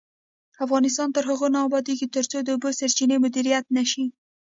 افغانستان تر هغو نه ابادیږي، ترڅو د اوبو سرچینې مدیریت نشي.